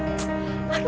kekasihannya kang mul